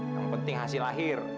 yang penting hasil akhir